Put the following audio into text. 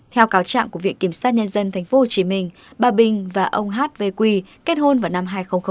theo cáo trạng của viện kiểm soát nhân dân tp hcm bà bình và ông h v q kết hôn vào năm hai nghìn một